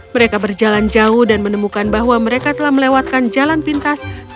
mereka berjalan jauh dan menemukan bahwa mereka telah melewatkan jalan pintas